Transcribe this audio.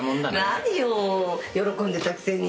何よ喜んでたくせに。